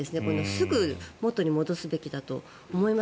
すぐ元に戻すべきだと思います。